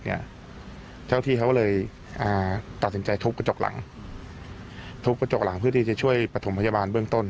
เจ้าที่เขาเลยตัดสินใจทุบกระจกหลังทุบกระจกหลังเพื่อที่จะช่วยประถมพยาบาลเบื้องต้น